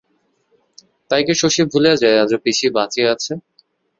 তাই কি শশী ভুলিয়া যায় আজো পিসি বাঁচিয়া আছে?